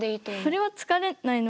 それは疲れないの？